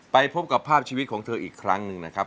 ไปพบกับภาพชีวิตของเธออีกครั้งหนึ่งนะครับ